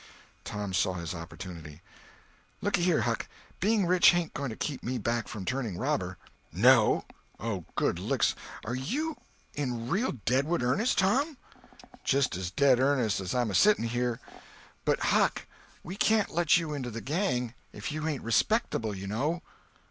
Tom saw his opportunity— "Lookyhere, Huck, being rich ain't going to keep me back from turning robber." "No! Oh, good licks; are you in real dead wood earnest, Tom?" "Just as dead earnest as I'm sitting here. But Huck, we can't let you into the gang if you ain't respectable, you know."